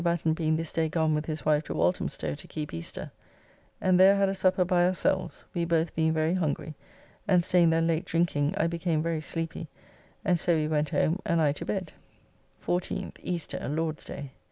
Batten being this day gone with his wife to Walthamstow to keep Easter), and there had a supper by ourselves, we both being very hungry, and staying there late drinking I became very sleepy, and so we went home and I to bed. 14th (Easter. Lord's day).